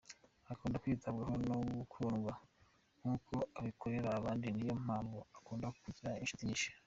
Akunda kwitabwaho no gukundwa nk’uko abikorera abandi niyo mpamvu akunda kugira inshuti nyinshi.